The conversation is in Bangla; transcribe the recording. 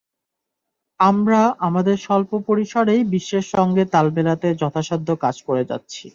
আমরা আমাদের স্বল্প পরিসরেই বিশ্বের সঙ্গে তাল মেলাতে যথাসাধ্য কাজ করে যাচ্ছি।